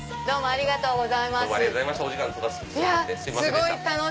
ありがとうございます。